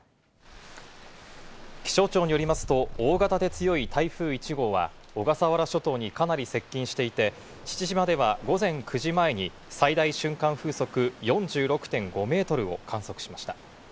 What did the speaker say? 気象庁によりますと大型で強い台風１号は小笠原諸島にかなり接近していて、父島では午前９時前に最大瞬間風速４６．５メートルを観測しました。